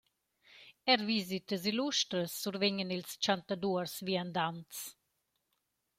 Eir visitas illustras survegnan ils chantaduors viandants.